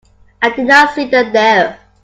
I did not see them there.